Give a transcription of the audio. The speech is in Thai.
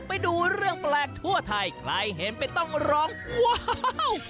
ไปดูเรื่องแปลกทั่วไทยใครเห็นไปต้องร้องว้าว